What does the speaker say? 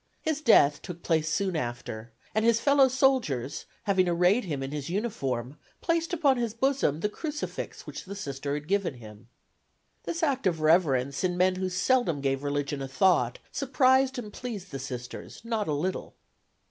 His death took place soon after, and his fellow soldiers, having arrayed him in his uniform, placed upon his bosom the crucifix which the Sister had given him. This act of reverence in men who seldom gave religion a thought surprised and pleased the Sisters not a little.